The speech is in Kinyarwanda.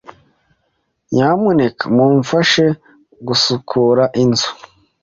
Nyamuneka mumfashe gusukura inzu.